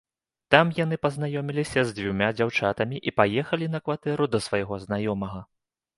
Там яны пазнаёміліся з дзвюма дзяўчатамі і паехалі на кватэру да свайго знаёмага.